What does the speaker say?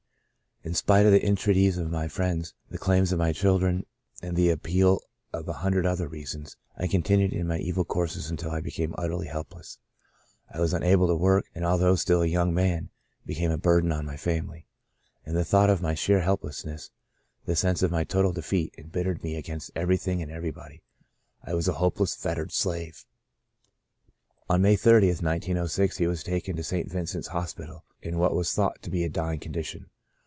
In spite of the entreaties of friends, the claims of my children, and the appeal of a hundred other reasons, I continued in my evil courses until I became utterly helpless. I was un able to work, and although still a young man, became a burden on my family. And the thought of my sheer helplessness, the sense of my total defeat embittered me against everything and everybody. I was a hopeless, fettered slave." On May 30, 1906, he was taken to St. Vincent's Hospital in what was thought to be a dying condition.